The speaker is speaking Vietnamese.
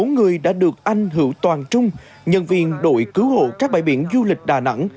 sáu người đã được anh hữu toàn trung nhân viên đội cứu hộ các bãi biển du lịch đà nẵng